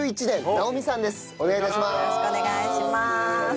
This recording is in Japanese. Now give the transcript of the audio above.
よろしくお願いします。